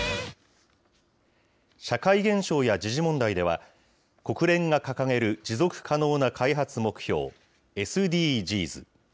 社会現象や時事問題では、国連が掲げる持続可能な開発目標、ＳＤＧｓ。